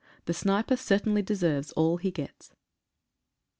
The sniper certainly deserves all he gets.